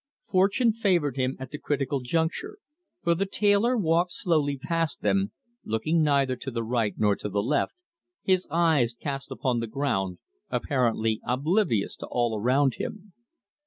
Fortune favoured him at the critical juncture, for the tailor walked slowly past them, looking neither to right nor to left, his eyes cast upon the ground, apparently oblivious to all round him.